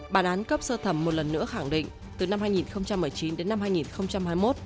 bản án cấp sơ thẩm một lần nữa khẳng định từ năm hai nghìn một mươi chín đến năm hai nghìn hai mươi một